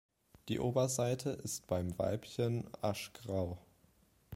Die Oberseite ist beim Weibchen aschgrau.